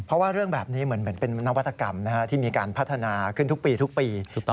เพราะว่าเรื่องแบบนี้เหมือนเป็นนวัตกรรมที่มีการพัฒนาขึ้นทุกปีทุกปี